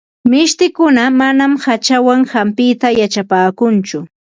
Mishtikuna manam hachawan hampita yachapaakunchu.